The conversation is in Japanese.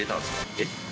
えっ？